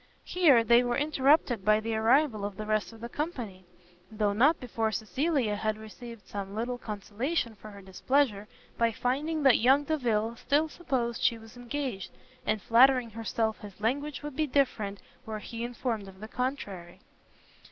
Here they were interrupted by the arrival of the rest of the company; though not before Cecilia had received some little consolation for her displeasure, by finding that young Delvile still supposed she was engaged, and flattering herself his language would be different were he informed of the contrary.